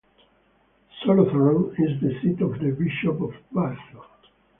Solothurn is the seat of the Bishop of Basel.